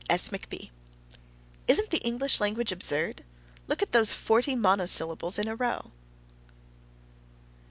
S. McB. Isn't the English language absurd? Look at those forty monosyllables in a row!